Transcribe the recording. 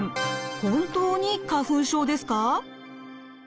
本当に花粉症ですか？